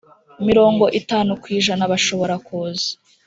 mirongo itanu ku ijana bashobora kuza